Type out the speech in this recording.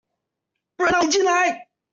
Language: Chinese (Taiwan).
不能讓你進來